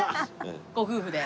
ご夫婦で。